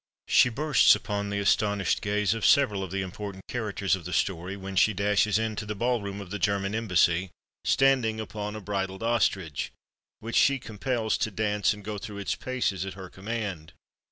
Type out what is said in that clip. She bursts upon the astonished gaze of several of the important characters of the story when she dashes into the ballroom of the German Embassy standing upon a bridled ostrich, which she compels to dance and go through its paces at her command.